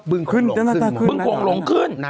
บึงโขงโหลงขึ้นน่าจะขึ้น